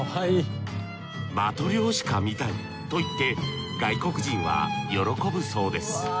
マトリョーシカみたいと言って外国人は喜ぶそうです。